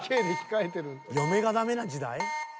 「嫁」がダメな時代？